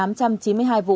màu xanh và màu xanh